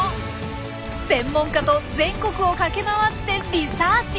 専門家と全国を駆け回ってリサーチ。